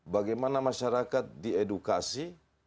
bagaimana masyarakat diedukasi